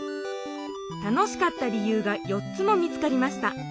楽しかった理由が４つも見つかりました。